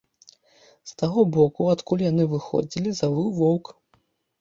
З таго боку, адкуль яны выходзілі, завыў воўк.